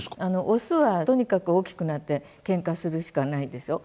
オスはとにかく大きくなってケンカするしかないでしょ。